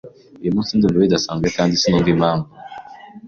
Uyu munsi ndumva bidasanzwe kandi sinumva impamvu.